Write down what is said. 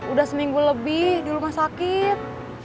udah seminggu lebih di rumah sakit